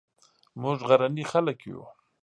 موږ غرني خلک یو